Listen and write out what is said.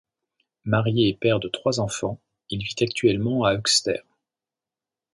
Marié et père de trois enfants, il vit actuellement à Höxter.